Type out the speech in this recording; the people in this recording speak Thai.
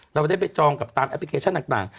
เราได้ไปจองกับตามแอปพลิเคชันต่าง